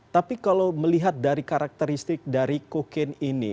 tapi kalau melihat dari karakteristik dari kokain ini